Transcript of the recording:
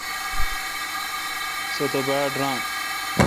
سو تہ باڑ ران۔